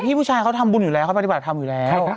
ผู้ชายเขาทำบุญอยู่แล้วเขาปฏิบัติธรรมอยู่แล้ว